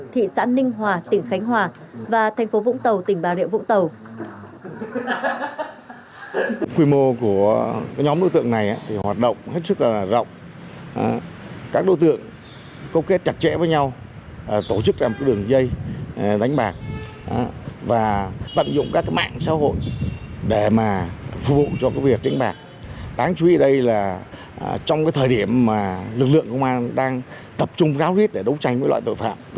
thị xã ninh hòa tỉnh khánh hòa và thành phố vũng tàu tỉnh bà liệu vũng tàu